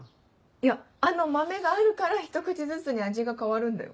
いやあの豆があるから一口ずつに味が変わるんだよ。